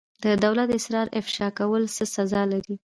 د دولت اسرار افشا کول څه سزا لري؟